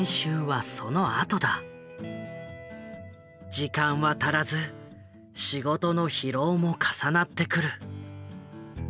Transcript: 時間は足らず仕事の疲労も重なってくる。